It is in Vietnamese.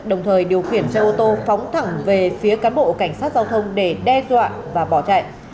đồng thời điều khiển xe ô tô phóng thẳng về phía cán bộ cảnh sát giao thông để đe dọa và bỏ chạy